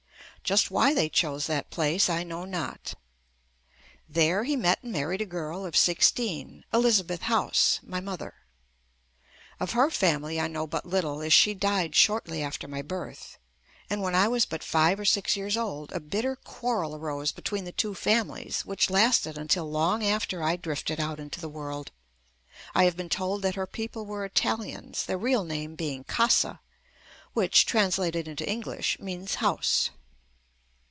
Just why they chose that place I know not. There he met and married a girl of sixteen — Elizabeth House (my mother) . Of her family I know but little, as she died shortly after my birth, and when I was but five or six years old a bitter quarrel arose between the two families which lasted until long after I drifted out into the world, I have been told that her people were Italians, their real name being Casa, which translated into English means house.